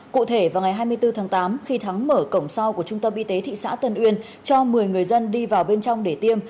cụ thể vào ngày hai mươi bốn tháng tám khi thắng mở cổng sau của trung tâm y tế thị xã tân uyên cho một mươi người dân đi vào bên trong để tiêm